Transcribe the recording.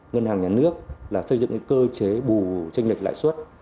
ngân hàng nhà nước là xây dựng cơ chế bù tranh lệch lãi suất